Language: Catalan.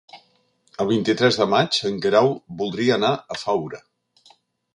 El vint-i-tres de maig en Guerau voldria anar a Faura.